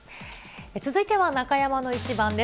続いては中山のイチバンです。